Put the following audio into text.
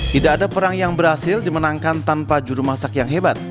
tidak ada perang yang berhasil dimenangkan tanpa juru masak yang hebat